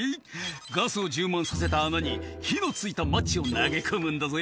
「ガスを充満させた穴に火の付いたマッチを投げ込むんだぜ」